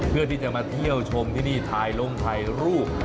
เพื่อที่จะมาเที่ยวชมที่นี่ถ่ายลงถ่ายรูป